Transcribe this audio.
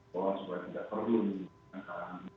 kita tidak perlu ini